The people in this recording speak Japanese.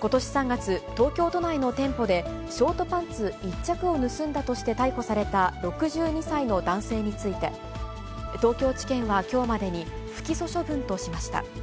ことし３月、東京都内の店舗で、ショートパンツ１着を盗んだとして、逮捕された６２歳の男性について、東京地検はきょうまでに不起訴処分としました。